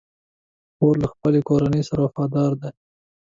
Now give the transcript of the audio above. خور له خپلې کورنۍ سره وفاداره ده.